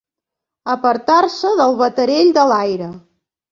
Apartar-se del baterell de l'aire.